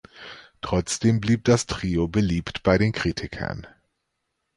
Trotzdem blieb das Trio beliebt bei den Kritikern.